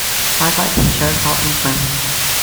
Sidelights on Sheriff Hartman's manhunt.